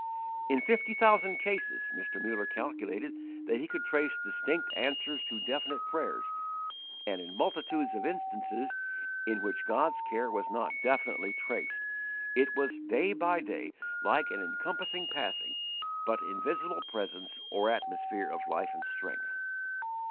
In fifty thousand cases, Mr. Muller calculated that he could trace distinct answers to definite prayers; and in multitudes of instances in which God's care was not definitely traced, it was day by day like an encompassing passing but invisible presence or atmosphere of life and strength.